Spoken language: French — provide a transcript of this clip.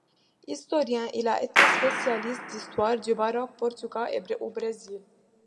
Historien, il a été spécialiste d´histoire du baroque portugais au Brésil.